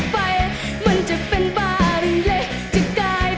ทีมที่ชนะคือทีม